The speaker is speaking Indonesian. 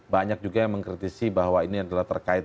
banyak juga yang mengkritisi bahwa ini adalah terkait